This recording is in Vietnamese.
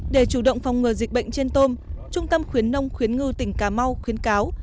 để chủ động phòng ngừa dịch bệnh trên tôm trung tâm khuyến nông khuyến ngư tỉnh cà mau khuyến cáo